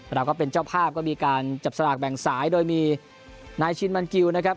เราก็เป็นเจ้าภาพก็มีการจับสลากแบ่งสายโดยมีนายชินมันกิวนะครับ